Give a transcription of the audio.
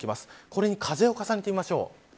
これに風を重ねてみましょう。